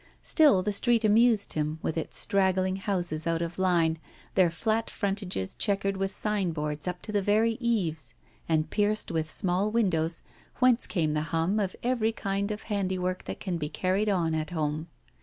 Still the street amused him, with its straggling houses out of line, their flat frontages chequered with signboards up to the very eaves, and pierced with small windows, whence came the hum of every kind of handiwork that can be carried on at home.